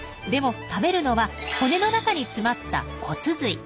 でも食べるのは骨の中に詰まった骨髄。